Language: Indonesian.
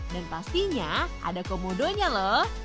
dan pastinya ada komodonya loh